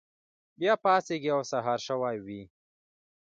بیا پاڅیږي او سهار شوی وي.